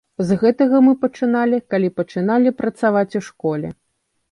З гэтага мы пачыналі, калі пачыналі працаваць у школе.